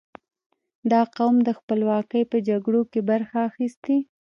• دا قوم د خپلواکۍ په جګړو کې برخه اخیستې.